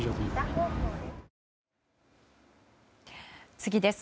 次です。